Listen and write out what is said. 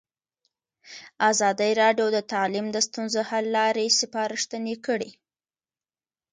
ازادي راډیو د تعلیم د ستونزو حل لارې سپارښتنې کړي.